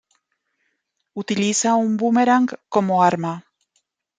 Utiliza un boomerang como arma.